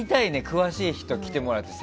詳しい人に来てもらって。